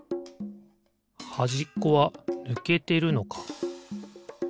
はじっこはぬけてるのか。